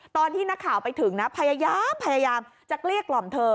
ตอนที่นักข่าวไปถึงนะพยายามจะเกลี้ยกล่อมเธอ